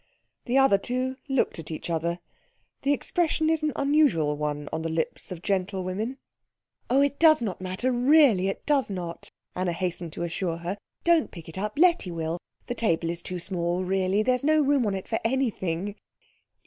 The other two looked at each other; the expression is an unusual one on the lips of gentle women. "Oh, it does not matter really it does not," Anna hastened to assure her. "Don't pick it up Letty will. The table is too small really. There is no room on it for anything."